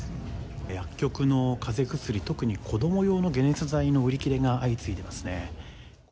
薬局の風邪薬特に子供用の解熱剤の売り切れが相次いでいます。